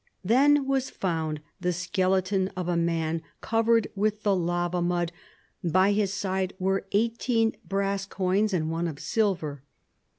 Then was found the skeleton of a man, covered with the lava mud. By his side were eighteen brass coins and one of silver.